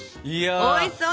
おいしそうです！